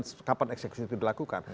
tidak mengumumkan kapan eksekusi itu dilakukan